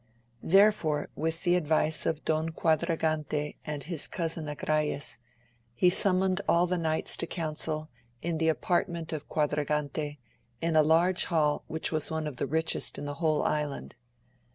Therefore with the advice of Don Quadra gante and of his cousin Agrayes, he summoned all the knights to council, in the apartment of Quadragante, in a large hall which was one of the richest in the whole island.